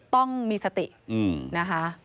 ต้องมีสตินะคะ